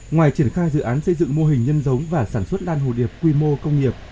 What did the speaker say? ngoài triển khai dự án xây dựng mô hình nhân giống và sản xuất đan hồ điệp quy mô công nghiệp